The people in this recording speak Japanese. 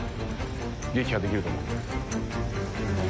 撃破できると思うんで。